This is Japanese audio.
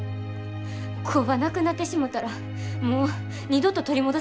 工場なくなってしもたらもう二度と取り戻されへんねんで。